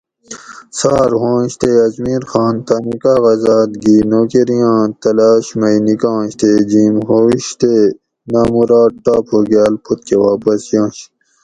سار ہوئنش تے اجمیر خان تانی کاغذات گھی نوکریاں تلاش مئی نِکانش تے جِھیم ہوش تے نامراد ٹاپ ہوگاۤل پت کہ واپس ینش